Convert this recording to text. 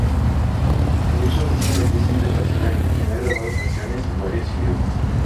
Russo es un artista internacional, quien ha grabado canciones en varios idiomas.